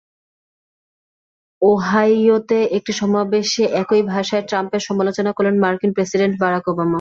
ওহাইওতে একটি সমাবেশে একই ভাষায় ট্রাম্পের সমালোচনা করলেন মার্কিন প্রেসিডেন্ট বারাক ওবামা।